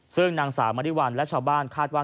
ซึ่งนางสาวมริวัลและชาวบ้านคาดว่า